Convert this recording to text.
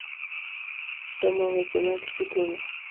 Somo weche mag sitima,